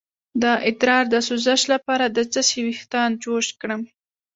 د ادرار د سوزش لپاره د څه شي ویښتان جوش کړم؟